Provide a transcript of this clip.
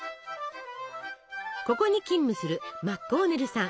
ここに勤務するマッコーネルさん。